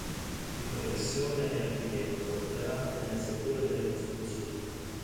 Di professione è architetto operante nel settore delle costruzioni.